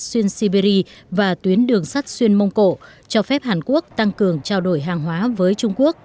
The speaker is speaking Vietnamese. tuyến đường sắt xuyên siberia và tuyến đường sắt xuyên mông cộ cho phép hàn quốc tăng cường trao đổi hàng hóa với trung quốc